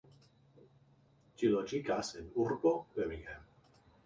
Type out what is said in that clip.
Ĝi lokiĝas en urbo Birmingham.